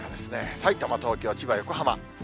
さいたま、東京、千葉、横浜。